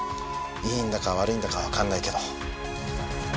いいんだか悪いんだかわかんないけど。